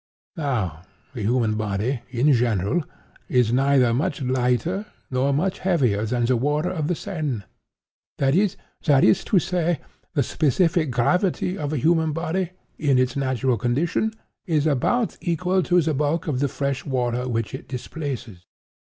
Now the human body, in general, is neither much lighter nor much heavier than the water of the Seine; that is to say, the specific gravity of the human body, in its natural condition, is about equal to the bulk of fresh water which it displaces.